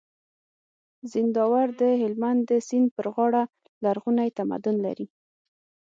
زينداور د هلمند د سيند پر غاړه لرغونی تمدن لري